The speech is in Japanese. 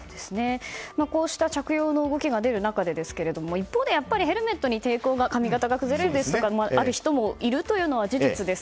こうした着用の動きが出る中で一方で、やっぱりヘルメットに抵抗がある人が髪型が崩れるとかでいるというのは事実です。